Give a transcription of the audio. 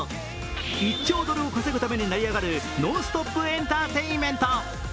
１兆ドルを稼ぐためにのし上がるエンターテインメント。